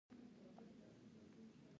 د شهادت لومړي تلین مراسم یې پیل شوي وو.